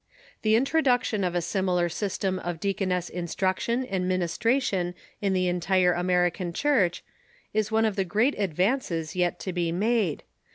The introduction of a similar system of deacon ess instruction and ministration in the entire American Church is one of the great advances yet to be made.